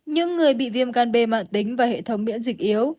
những người bị viêm gan b mạng tính và hệ thống miễn dịch yếu